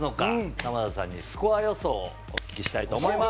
玉田さんにスコア予想をお聞きしたいと思います。